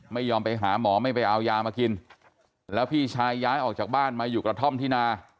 ไม่ยอมไปหาหมอไม่ไปเอายามากินแล้วพี่ชายย้ายออกจากบ้านมาอยู่กระท่อมที่นา